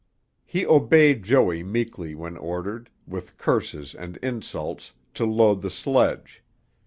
He obeyed Joey meekly when ordered, with curses and insults, to load the sledge.